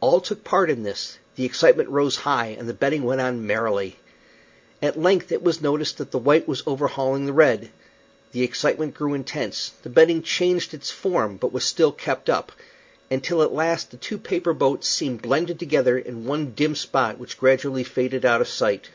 All took part in this; the excitement rose high and the betting went on merrily. At length it was noticed that the white was overhauling the red. The excitement grew intense; the betting changed its form, but was still kept up, until at last the two paper boats seemed blended together in one dim spot which gradually faded out of sight.